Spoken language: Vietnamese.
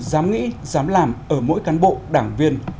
giám nghĩ giám làm ở mỗi cán bộ đảng viên